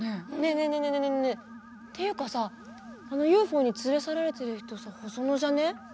ねえねえねえねえねえっていうかさあのＵＦＯに連れ去られてる人さホソノじゃね？